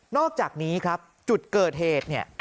อกจากนี้ครับจุดเกิดเหตุเนี่ย